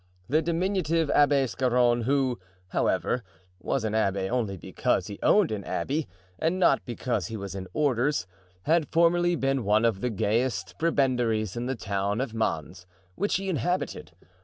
The diminutive Abbé Scarron, who, however, was an abbé only because he owned an abbey, and not because he was in orders, had formerly been one of the gayest prebendaries in the town of Mans, which he inhabited.